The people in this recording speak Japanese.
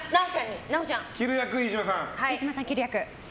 飯島さん、切る役。